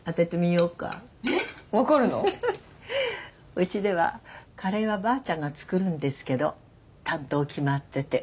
「うちではカレーはばあちゃんが作るんですけど担当決まってて」